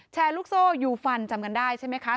แชร์ลูกโซ่ยูฟันจำกันได้ใช่ไหมคะ